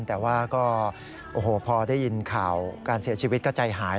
แต่ว่าก็โอ้โหพอได้ยินข่าวการเสียชีวิตก็ใจหาย